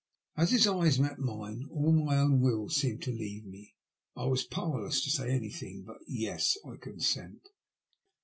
As his eyes met mine all my own will seemed to leave me. I was powerless to say anything but "Tas, I consent."